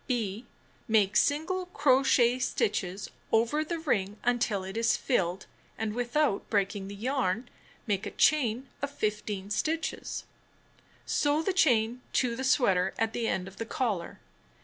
(b) Make single crochet stitches over the ring until it is filled, and without breaking the yarn, make a chain of 15 stitches. Sew the chain to the sweater at the end of the collar.